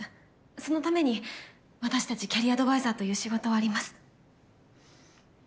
そのために私たちキャリアアドバイザーという仕事はあります。